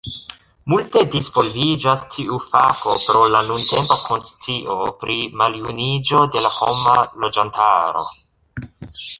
Multe disvolviĝas tiu fako pro la nuntempa konscio pri maljuniĝo de la homa loĝantaro.